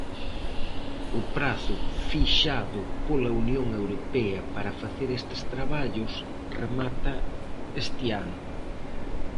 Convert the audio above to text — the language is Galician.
O prazo fixado pola Unión Europea para facer estes traballos remata este ano.